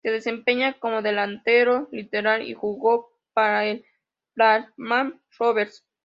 Se desempeñaba como delantero lateral y jugo para el Clapham Rovers.